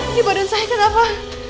di badan saya kenapa